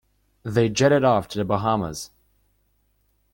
They jetted off to the Bahamas.